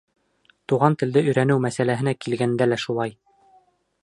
Туған телде өйрәнеү мәсьәләһенә килгәндә лә шулай.